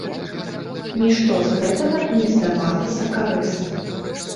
Нішто з гэтага не здавалася карысным.